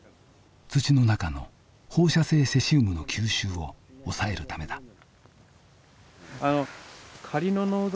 土の中の放射性セシウムの吸収を抑えるためだ。